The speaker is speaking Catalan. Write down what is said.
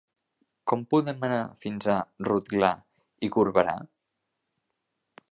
Com podem anar fins a Rotglà i Corberà?